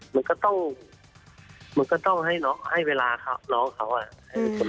มันก็ต้องให้เวลาน้องเขาอ่ะ